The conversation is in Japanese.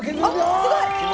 すごい！